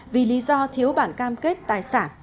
vì lý do thiếu bản cam kết tài sản